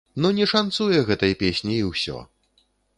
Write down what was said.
Ну не шанцуе гэтай песні, і ўсё!